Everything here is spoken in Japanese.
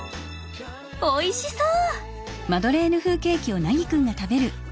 おいしそう！